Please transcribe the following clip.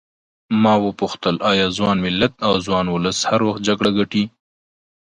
ما وپوښتل ایا ځوان ملت او ځوان ولس هر وخت جګړه ګټي.